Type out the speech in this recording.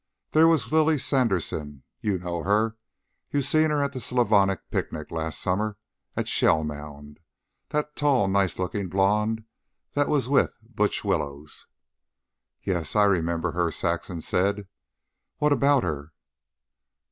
There was Lily Sanderson you know her. You seen her at that Slavonic picnic last summer at Shellmound that tall, nice lookin' blonde that was with Butch Willows?" "Yes, I remember her," Saxon said. "What about her?"